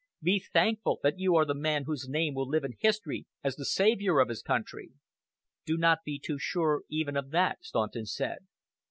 Be thankful that you are the man whose name will live in history as the savior of his country." "Do not be too sure even of that," Staunton said.